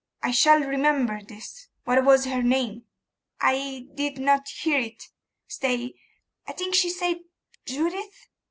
I shall remember this. What was her name?' 'I did not hear it. Stay, I think she said Judith.